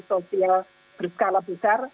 sosial berskala besar